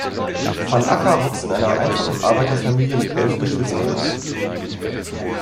Van Acker wuchs in einer einfachen Arbeiterfamilie mit elf Geschwistern auf.